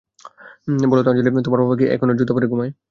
বলো তো আঞ্জলি, তোমার পাপা কি এখনো জুতা পরে ঘুমায়?